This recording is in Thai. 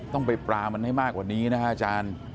ต้องไปปรามันให้มากกว่านี้นะฮะอาจารย์